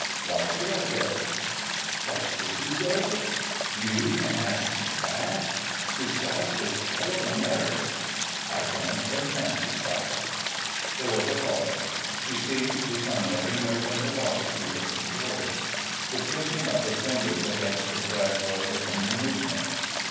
"Why should I go?" "Why should you go? You can ask me that?...To stop this terrible marriage." "I don't intend to stop it." There was a pause. She seemed to summon every nerve in her body to her control. The twitching of her fingers against her dress was her only movement.